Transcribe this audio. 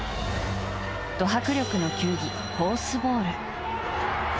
ド迫力の球技、ホースボール。